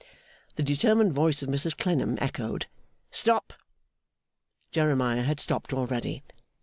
The determined voice of Mrs Clennam echoed 'Stop!' Jeremiah had stopped already.